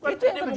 itu yang terjadi